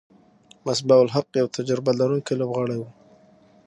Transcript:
مصباح الحق یو تجربه لرونکی لوبغاړی وو.